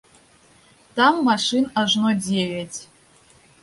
Там машын ажно дзевяць.